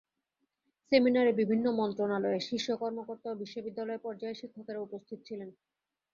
সেমিনারে বিভিন্ন মন্ত্রণালয়ের শীর্ষ কর্মকর্তা ও বিশ্ববিদ্যালয় পর্যায়ের শিক্ষকেরা উপস্থিত ছিলেন।